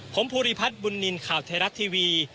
ผมภูริพัฒน์บุญนินทร์ข่าวไทยรัฐทีวี